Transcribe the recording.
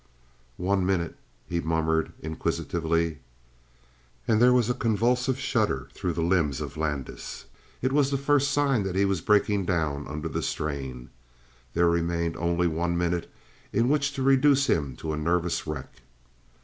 "One minute?" he murmured inquisitively. And there was a convulsive shudder through the limbs of Landis. It was the first sign that he was breaking down under the strain. There remained only one minute in which to reduce him to a nervous wreck!